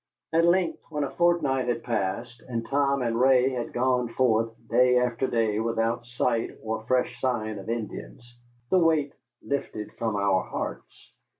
At length, when a fortnight had passed, and Tom and Ray had gone forth day after day without sight or fresh sign of Indians, the weight lifted from our hearts.